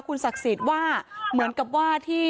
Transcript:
คุณศักดิ์สิทธิ์ว่าเหมือนกับว่าที่